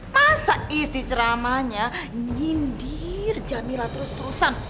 masa isi ceramahnya nyindir jamilah terus terusan